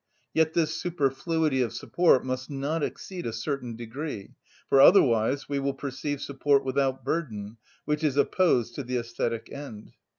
Yet this superfluity of support must not exceed a certain degree; for otherwise we will perceive support without burden, which is opposed to the æsthetic end.